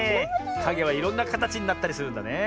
かげはいろんなかたちになったりするんだね。